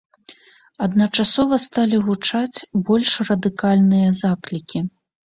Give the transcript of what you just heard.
Адначасова сталі гучаць больш радыкальныя заклікі.